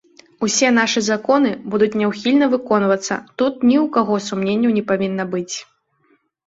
Усе нашы законы будуць няўхільна выконвацца, тут ні ў каго сумненняў не павінна быць.